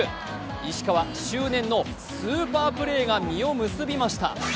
石川、執念のスーパープレーが実を結びました。